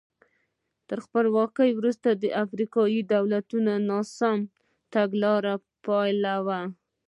تر خپلواکۍ وروسته د افریقایي دولتونو ناسمو تګلارو پایله وه.